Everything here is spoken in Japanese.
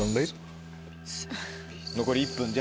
残り１分弱。